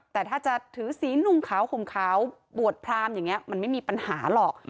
แต่ถ้าจะถือสีนุ่งขาวห่มขาวบวชพรามอย่างนี้มันไม่มีปัญหาหรอก